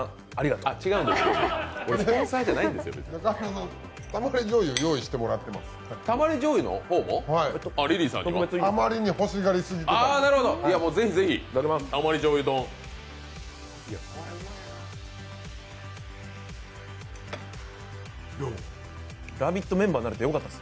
あまりに欲しがりすぎてたんで。